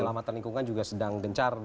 selamatan lingkungan juga sedang gencar